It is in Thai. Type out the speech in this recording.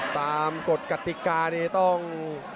ตามกฎกฎิกานี้ต้อง